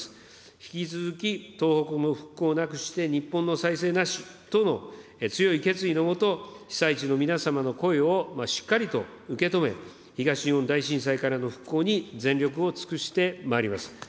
引き続き東北の復興なくして、日本の再生なしとの強い決意の下、被災地の皆様の声をしっかりと受け止め、東日本大震災からの復興に全力を尽くしてまいります。